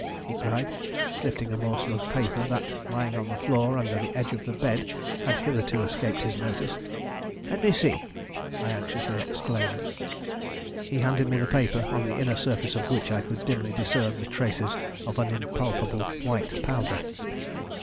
he cried, lifting a morsel of paper that, lying on the floor under the edge of the bed, had hitherto escaped his notice. "Let me see!" I anxiously exclaimed. He handed me the paper, on the inner surface of which I could dimly discern the traces of an impalpable white powder.